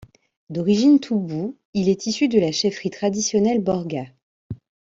D'origine Toubou, il est issu de la chefferie traditionnelle Borgat.